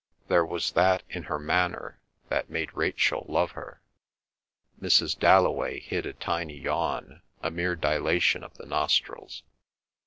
There was that in her manner that made Rachel love her. Mrs. Dalloway hid a tiny yawn, a mere dilation of the nostrils.